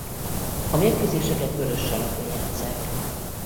A mérkőzéseket vörös salakon játsszák.